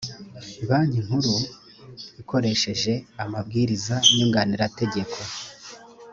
banki nkuru ikoresheje amabwiriza nyunganirategeko